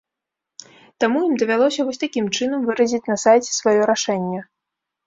Таму ім давялося вось такім чынам выразіць на сайце сваё рашэнне.